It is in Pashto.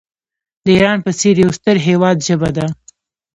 د ایران په څېر یو ستر هیواد ژبه ده.